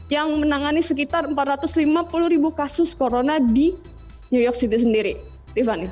yang menangani sekitar empat ratus lima puluh ribu kasus corona di new york city sendiri